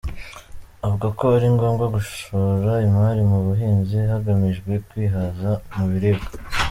Avuga ko ari ngombwa gushora imari mu buhinzi hagamijwe kwihaza mu biribwa.